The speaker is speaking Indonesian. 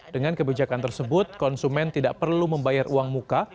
dengan kebijakan tersebut konsumen tidak perlu membayar uang muka